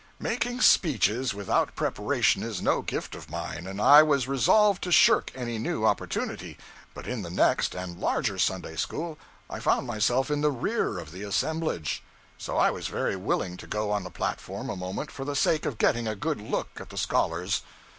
Making speeches without preparation is no gift of mine; and I was resolved to shirk any new opportunity, but in the next and larger Sunday school I found myself in the rear of the assemblage; so I was very willing to go on the platform a moment for the sake of getting a good look at the scholars.